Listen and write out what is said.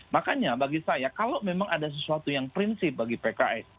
makanya bagi saya kalau memang ada sesuatu yang prinsip bagi pks